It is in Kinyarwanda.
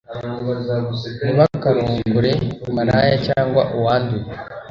ntibakarongore malaya cyangwa uwanduye